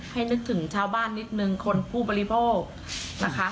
นึกถึงชาวบ้านนิดนึงคนผู้บริโภคนะคะ